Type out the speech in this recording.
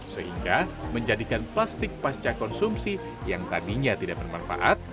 sehingga menjadikan plastik pasca konsumsi yang tadinya tidak bermanfaat